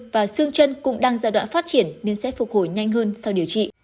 và xương chân cũng đang giai đoạn phát triển nên sẽ phục hồi nhanh hơn sau điều trị